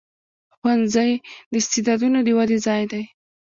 ښوونځی د استعدادونو د ودې ځای دی.